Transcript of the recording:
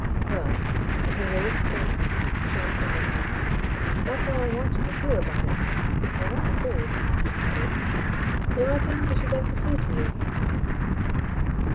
"Well" and her raised face shone up at him "that's all I want you to feel about it. If I weren't afraid," she added, "there are things I should like to say to you."